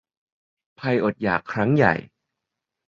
ภัยอดอยาก ครั้งใหญ่